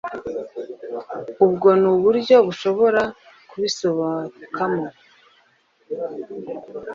ubwo n'uburyo bashobora kubisohokamo,